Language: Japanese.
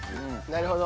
なるほど。